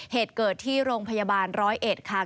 เหตุเกิดที่โรงพยาบาล๑๐๑ค่ะ